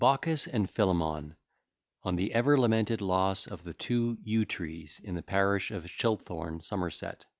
] BAUCIS AND PHILEMON ON THE EVER LAMENTED LOSS OF THE TWO YEW TREES IN THE PARISH OF CHILTHORNE, SOMERSET.